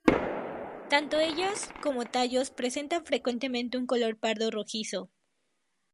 Tanto ellas como tallos presentan frecuentemente un color pardo rojizo.